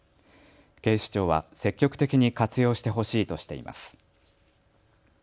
警視庁は積極的に活用してほしいとしています。